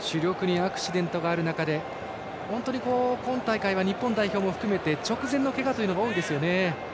主力にアクシデントがある中で今大会は日本代表も含め直前のけがが多いですね。